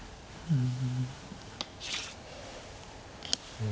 うん。